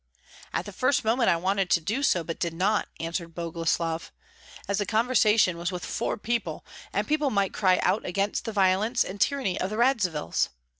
"At the first moment I wanted to do so, but did not," answered Boguslav, "as the conversation was with four eyes, and people might cry out against the violence and tyranny of the Radzivills.